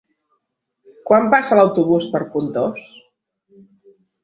Quan passa l'autobús per Pontós?